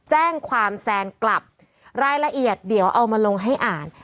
แจ้งความแซนกลับรายละเอียดเดี๋ยวเอามาลงให้อ่าน